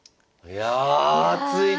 いや。